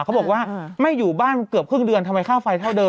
เขาบอกว่าไม่อยู่บ้านเกือบครึ่งเดือนทำไมค่าไฟเท่าเดิ